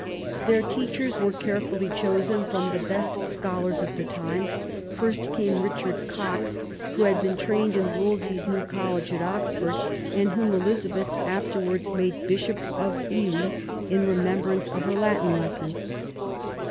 Their teachers were carefully chosen from the best scholars of the time. First came Richard Cox, who had been trained in Wolsey's new College at Oxford, and whom Elizabeth afterwards made Bishop of Ely, in remembrance of her Latin lessons.